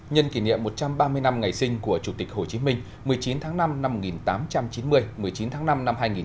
nhân kỷ niệm một trăm ba mươi năm ngày sinh của chủ tịch hồ chí minh một mươi chín tháng năm năm một nghìn tám trăm chín mươi một mươi chín tháng năm năm hai nghìn hai mươi